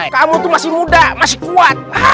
kamu itu masih muda masih kuat